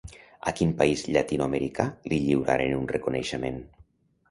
A quin país llatinoamericà li lliuraren un reconeixement?